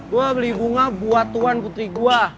gue beli bunga buat tuan putri gue